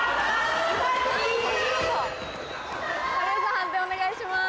判定お願いします。